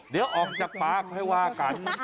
เดี๋ยวออกจากป่าให้ว่ากัน